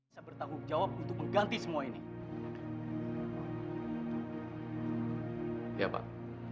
bapak yang akan membangun kembali sekolah yang amat